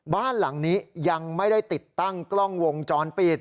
บ้านหลังนี้ยังไม่ได้ติดตั้งกล้องวงจรปิด